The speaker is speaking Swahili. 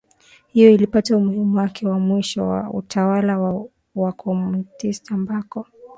hiyo ilipata umuhimu wakati wa mwisho wa utawala wa Wakomunisti ambako